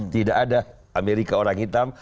tidak ada amerika orang hitam